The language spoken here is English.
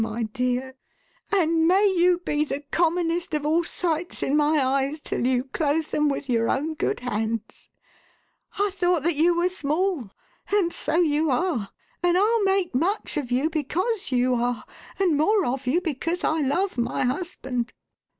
my dear, and may you be the commonest of all sights in my 508 THE HAUNTED MAN. eyes, till you close them with your own good hands. I thought that you were small; and so you are, and I'll make much of you because you are, and more of you because I love my husband.